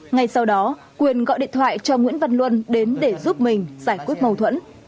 ngay sau đó quyền gọi điện thoại cho nguyễn văn luân đến để giúp mình giải quyết mâu thuẫn